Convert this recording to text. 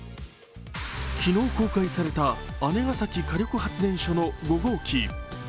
昨日公開された姉崎火力発電所の５号機。